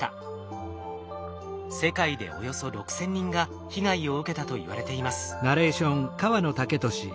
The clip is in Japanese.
世界でおよそ６，０００人が被害を受けたといわれています。